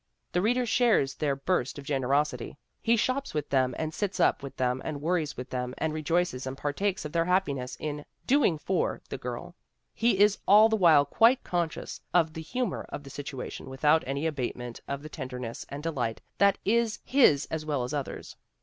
The reader shares their burst of generosity. He shops with them and sits up with them and worries with them and rejoices and partakes of their happiness in "doing for" the girl ; he is all the while quite conscious of the humor of the situation without any abatement of the tenderness and delight that is his as well as theirs.